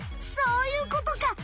そういうことか！